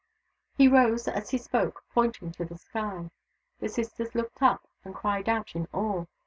He rose, as he spoke, pointing to the sky. The sisters looked up, and cried out in awe.